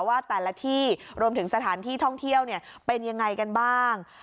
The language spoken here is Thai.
ว่าแต่ละที่รวมถึงสถานที่ท่องเที่ยวเป็นยังไงกันบ้าง